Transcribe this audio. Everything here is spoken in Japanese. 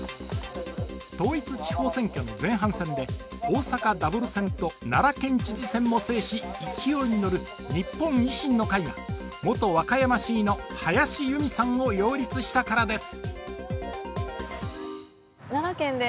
統一地方選挙の前半戦で大阪ダブル選と奈良県知事選も制し、勢いに乗る日本維新の会が元和歌山市議の林佑美さんを擁立したからです。